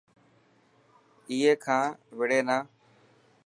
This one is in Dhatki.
اي کان وڙي نا.